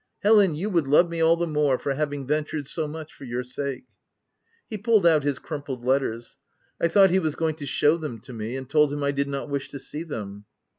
Helen, you would love me all the more, for having ventured so much for your sake." He pulled out his crumpled letters. I thought he was going to shew them to me, and told him I did not wish to see them.